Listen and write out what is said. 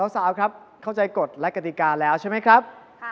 สาวครับเข้าใจกฎและกติกาแล้วใช่ไหมครับ